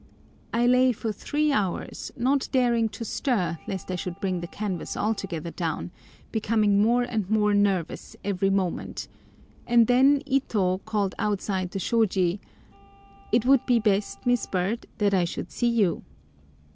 I lay for three hours, not daring to stir lest I should bring the canvas altogether down, becoming more and more nervous every moment, and then Ito called outside the shôji, "It would be best, Miss Bird, that I should see you."